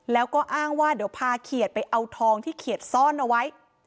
แล้วก็อ้างว่าเดี๋ยวพาเขียดไปเอาทองที่เขียดซ่อนเอาไว้